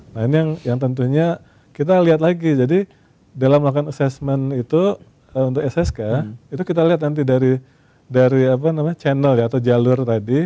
nah ini yang tentunya kita lihat lagi jadi dalam melakukan assessment itu untuk ssk itu kita lihat nanti dari channel ya atau jalur tadi